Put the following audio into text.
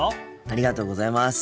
ありがとうございます。